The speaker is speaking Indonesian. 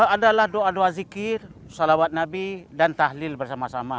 adalah doa doa zikir salawat nabi dan tahlil bersama sama